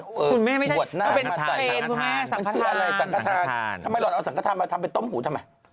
คุณแม่ไม่ใช่ทางธาตุธานทางธานทำไมเราเอาสังคตามาทำไปต้มหูทำไม